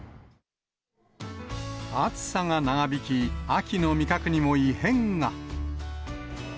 暑さが長引き、秋の味覚にも異変が。